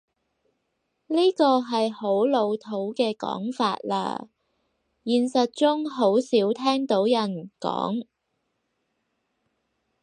呢個係好老土嘅講法喇，現實中好少聽到人講